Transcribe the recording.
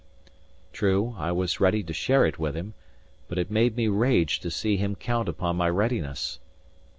True, I was ready to share it with him; but it made me rage to see him count upon my readiness.